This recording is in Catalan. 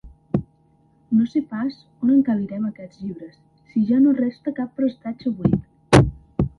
No sé pas on encabirem aquests llibres, si ja no resta cap prestatge buit!